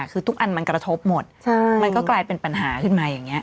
คือทุกอันมันกระทบหมดมันก็กลายเป็นปัญหาขึ้นมาอย่างนี้